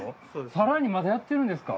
更にまだやってるんですか？